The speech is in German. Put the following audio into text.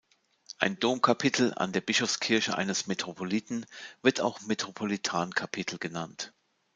Ein Domkapitel an der Bischofskirche eines Metropoliten wird auch Metropolitankapitel genannt.